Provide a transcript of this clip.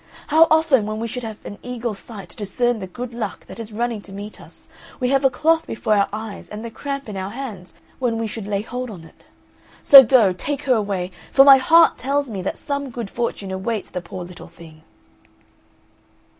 How often, when we should have an eagle's sight to discern the good luck that is running to meet us, we have a cloth before our eyes and the cramp in our hands, when we should lay hold on it. So go, take her away, for my heart tells me that some good fortune awaits the poor little thing!"